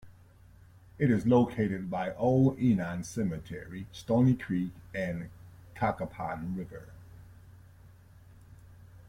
It is located by Old Enon Cemetery, Stony Creek, and the Cacapon River.